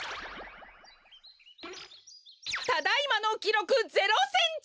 ただいまのきろく０センチ！